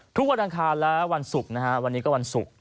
วันอังคารและวันศุกร์นะฮะวันนี้ก็วันศุกร์